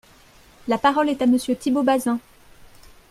La parole est à Monsieur Thibault Bazin.